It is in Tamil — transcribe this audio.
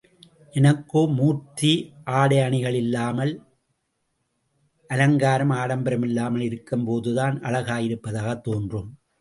எனக்கோ மூர்த்தி ஆடை அணிகள் இல்லாமல், அலங்கார ஆடம்பரம் இல்லாமல் இருக்கும்போதுதான் அழகாய் இருப்பதாகத் தோன்றும்.